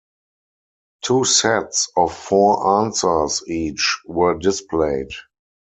Two sets of four answers each were displayed.